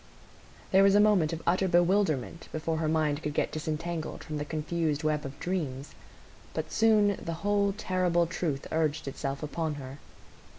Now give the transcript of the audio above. There was a moment of utter bewilderment before her mind could get disentangled from the confused web of dreams; but soon the whole terrible truth urged itself upon her.